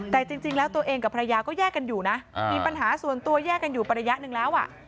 แต่จริงแล้วตัวเองกับภรรยาก็แยกกันอยู่นะมีปัญหาส่วนตัวแยกกันอยู่ประยะหนึ่งแล้ว